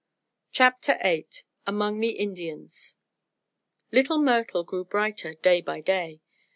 CHAPTER VIII AMONG THE INDIANS Little Myrtle grew brighter day by day.